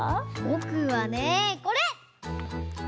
ぼくはねこれ！